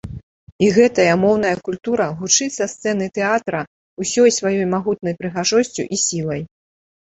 І гэтая моўная культура гучыць са сцэны тэатра ўсёй сваёй магутнай прыгажосцю і сілай.